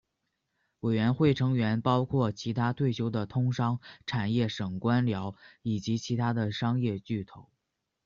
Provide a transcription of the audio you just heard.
委员会成员包括其它退休的通商产业省官僚以及其它的商业巨头。